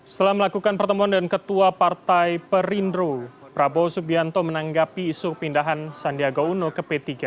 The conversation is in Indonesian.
setelah melakukan pertemuan dengan ketua partai perindro prabowo subianto menanggapi isu pindahan sandiaga uno ke p tiga